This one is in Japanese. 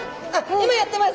今やってます！